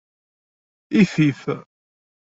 Ifif.